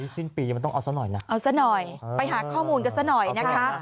สิ้นปีมันต้องเอาซะหน่อยนะเอาซะหน่อยไปหาข้อมูลกันซะหน่อยนะคะ